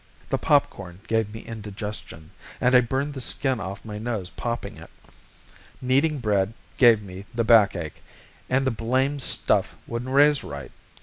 The popcorn gave me indigestion, and I burned the skin off my nose popping it. Kneading bread gave me the backache, and the blamed stuff wouldn't raise right.